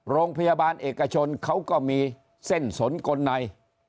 โรงพยาบาลเอกชนเขาก็มีเส้นสนกลใน